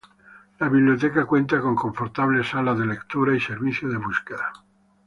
La biblioteca cuenta con confortables salas de lectura y servicio de búsqueda.